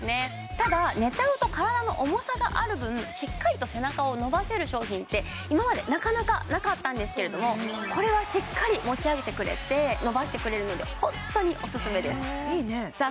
ただ寝ちゃうと体の重さがある分しっかりと背中を伸ばせる商品って今までなかなかなかったんですけれどもこれはしっかり持ち上げてくれて伸ばしてくれるのでホントにオススメですいいねさあ